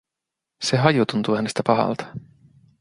Se haju tuntuu hänestä pahalta.